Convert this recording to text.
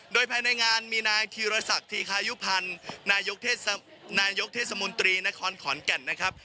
โดยภายในงานมีนายธีรศักดิ์ธีคายุพันธ์นายกเทศมนตรีนครขอนแก่นนะครับ